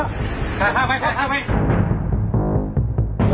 ข้างไปข้างไป